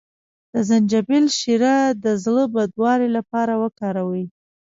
د زنجبیل شیره د زړه بدوالي لپاره وکاروئ